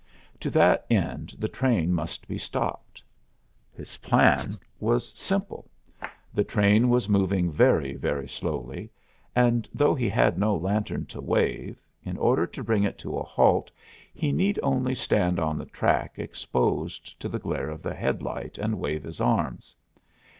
To that end the train must be stopped. His plan was simple. The train was moving very, very slowly, and though he had no lantern to wave, in order to bring it to a halt he need only stand on the track exposed to the glare of the headlight and wave his arms.